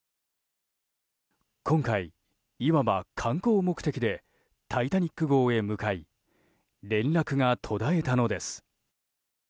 今回、いわば観光目的で「タイタニック号」へ向かい連絡が途絶えたのです。